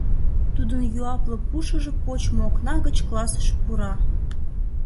Тудын юапле пушыжо почмо окна гыч классыш пура.